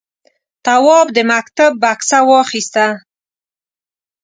تواب د مکتب بکسه واخیسته.